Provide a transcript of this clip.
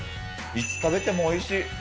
いつ食べてもおいしい。